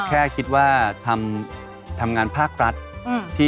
แค่คิดว่าทำงานภาครัฐ